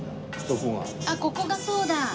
あっここがそうだ！